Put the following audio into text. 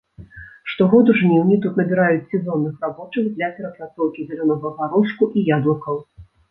Штогод у жніўні тут набіраюць сезонных рабочых для перапрацоўкі зялёнага гарошку і яблыкаў.